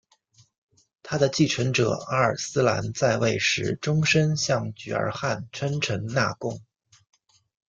他的继承者阿尔斯兰在位时终生向菊儿汗称臣纳贡。